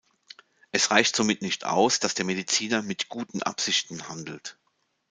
Es reicht somit nicht aus, dass der Mediziner mit "guten Absichten" handelt.